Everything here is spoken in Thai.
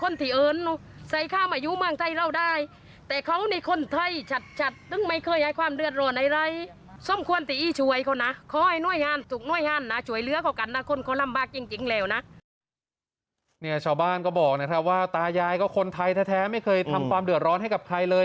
ชาวบ้านก็บอกนะครับว่าตายายก็คนไทยแท้ไม่เคยทำความเดือดร้อนให้กับใครเลย